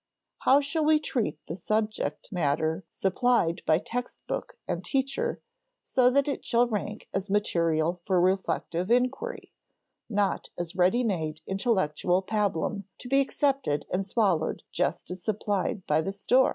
How shall we treat the subject matter supplied by text book and teacher so that it shall rank as material for reflective inquiry, not as ready made intellectual pabulum to be accepted and swallowed just as supplied by the store?